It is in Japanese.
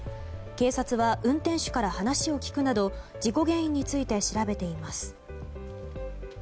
警察は運転手から話を聞くなど事故原因について調べています。